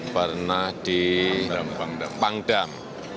pernah di pangdam